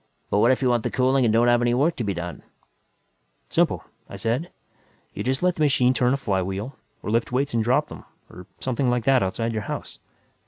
"But what if you want the cooling and don't have any work to be done?" "Simple," I said. "You just let the machine turn a flywheel or lift weights and drop them, or something like that, outside your house.